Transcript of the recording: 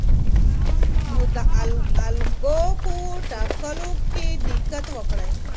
نو د الګو په ټاکلو کې دقت وکړئ.